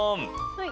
はい。